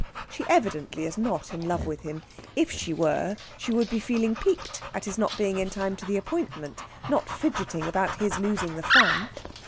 She evidently is not in love with him; if she were she would be feeling piqued at his not being in time to the appointment, not fidgeting about his losing the fun.